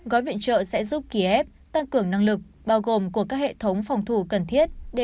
gói viện trợ sẽ giúp ký hiệp tăng cường năng lực bao gồm của các hệ thống phòng thủ cần thiết để